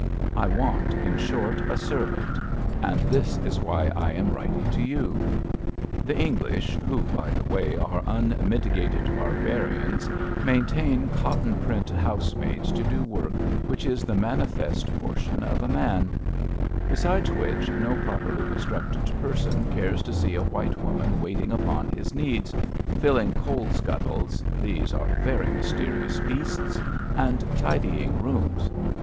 I want, in short, a servant; and. this is why I am writing to you. The English, who, by the way, are unmitigated barbarians, maintain cotton print housemaids to do work which is the manifest portion of a man. 281 282 ABAFT THE FUNNEL Besides which, no properly constructed person cares to see a white woman waiting upon his needs, filling coal scuttles (these are very mysterious beasts) and tidying rooms.